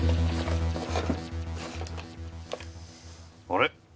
あれ？